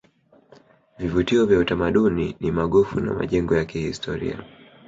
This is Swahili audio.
vivutio vya utamaduni ni magofu na majengo ya kihistoria